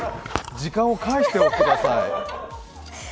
時間を返してください。